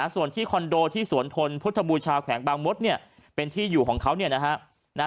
ส่วนที่คอนโดที่สวนทนพฤษฐบุญชาวแขวงบางมตรเป็นที่อยู่ของเขา